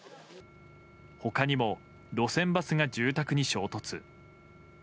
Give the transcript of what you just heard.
他にも路線バスが住宅に衝突。